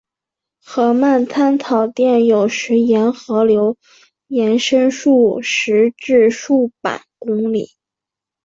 河漫滩草甸有时沿河流延伸数十至数百公里。